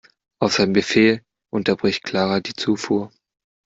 Auf seinen Befehl unterbricht Clara die Zufuhr.